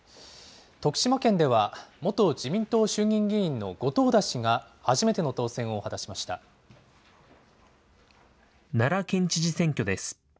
徳島県では元自民党衆議院議員の後藤田氏が初めての当選を果奈良県知事選挙です。